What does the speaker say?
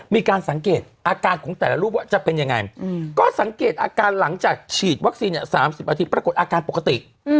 มีการสังเกตอาการของแต่ละรูปว่าจะเป็นยังไงก็สังเกตอาการหลังจากฉีดวัคซีน๓๐นาทีปรากฏอาการปกติ